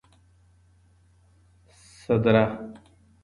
سدره